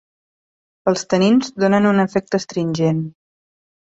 Els tanins donen un efecte astringent.